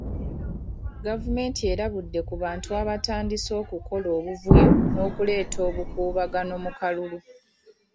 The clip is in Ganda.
Gavumenti erabudde ku bantu abatandise okukola obuvuyo n'okuleeta obukubagano mu kalulu.